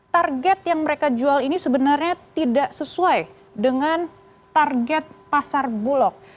target yang mereka jual ini sebenarnya tidak sesuai dengan target pasar bulog